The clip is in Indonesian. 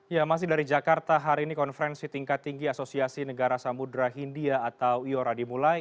ya masih dari jakarta hari ini konferensi tingkat tinggi asosiasi negara samudera hindia atau iora dimulai